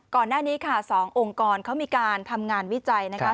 ก่อนหน้านี้ค่ะ๒องค์กรเขามีการทำงานวิจัยนะคะ